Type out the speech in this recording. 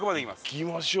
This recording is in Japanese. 行きましょう。